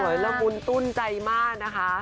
ละมุนตุ้นใจมากนะคะ